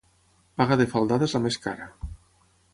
Paga de faldada és la més cara.